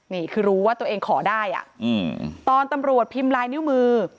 นี่คือรู้ว่าตัวเองขอได้ตอนตำรวจพิมพ์ลายนิ้วมือ